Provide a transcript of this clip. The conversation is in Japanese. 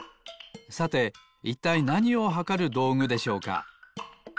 さていったいなにをはかるどうぐでしょうか？